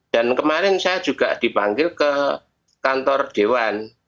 dan kemarin saya juga dipanggil ke kantor dewan